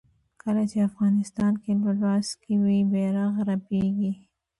کله چې افغانستان کې ولسواکي وي بیرغ رپیږي.